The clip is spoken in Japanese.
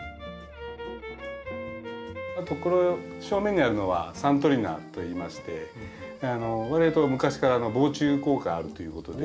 あとこの正面にあるのはサントリナといいましてわりあいと昔から防虫効果があるということで。